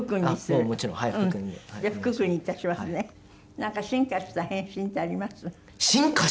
なんか進化した変身ってあります？